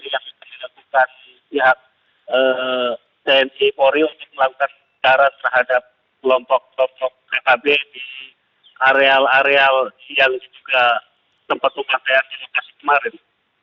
yang kita lakukan di pihak tni pori untuk melakukan pencarian terhadap kelompok kelompok republik di areal areal yang juga tempat tempat yang dilokasi kemarin